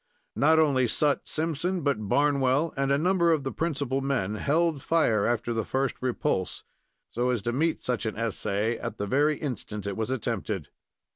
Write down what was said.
Not only Sut Simpson, but Barnwell and a number of the principal men, held fire after the first repulse, so as to meet such an essay at the very instant it was attempted.